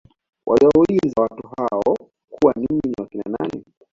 Waliwauliza watu hao kuwa ninyi ni wakina nani